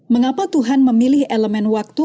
mengapa tuhan memilih elemen waktu